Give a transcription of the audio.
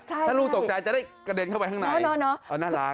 ถ้าลูกตกใจจะได้กระเด็นเข้าไปข้างในน่ารัก